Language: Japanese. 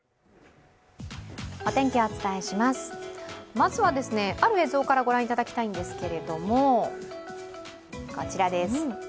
まずはある映像から御覧いただきたいんですけれども、こちらです。